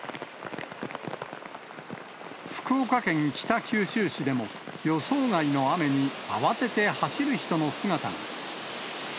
福岡県北九州市でも、予想外の雨に慌てて走る人の姿が。